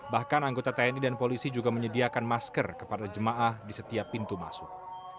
bahkan anggota tni dan polisi juga menyediakan masker kepada jemaah di setiap pintu masuk